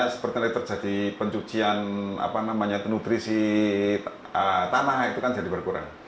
seperti tadi terjadi pencucian penutrisi tanah itu kan jadi berkurang